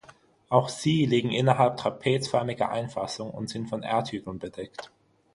Auch sie liegen innerhalb trapezförmiger Einfassung und sind von Erdhügeln bedeckt.